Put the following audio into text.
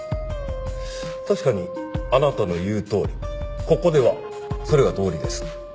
確かにあなたの言うとおりここではそれが道理です。